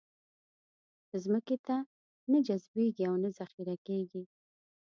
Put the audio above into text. ځمکې ته نه جذبېږي او نه ذخېره کېږي.